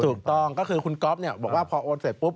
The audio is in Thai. ถูกต้องก็คือคุณก๊อฟเนี่ยบอกว่าพอโอนเสร็จปุ๊บ